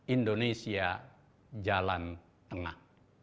indonesia jalan tengah